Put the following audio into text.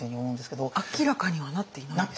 明らかにはなっていないんですか？